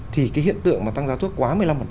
thì cái hiện tượng mà tăng giao thuốc quá một mươi năm